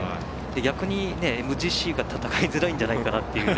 逆に、ＭＧＣが戦いづらいんじゃないかなというね。